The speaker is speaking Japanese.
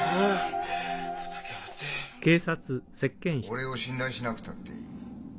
俺を信頼しなくたっていい。